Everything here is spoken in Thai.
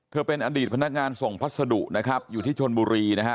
เป็นอดีตพนักงานส่งพัสดุนะครับอยู่ที่ชนบุรีนะฮะ